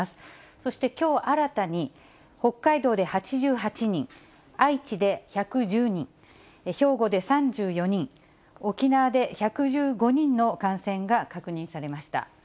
そしてきょう新たに北海道で８８人、愛知で１１０人、兵庫で３４人、沖縄で１１５人の感染が確認されました。